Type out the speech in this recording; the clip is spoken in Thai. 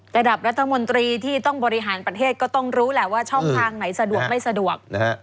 ระดับรัฐมนตรีที่ต้องบริหารประเทศก็ต้องรู้แหละว่าช่องทางไหนสะดวกไม่สะดวก